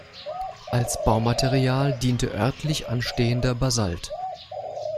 Als Baumaterial diente örtlich anstehender Basalt.